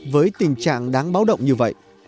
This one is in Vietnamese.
với tình trạng đáng báo động như vậy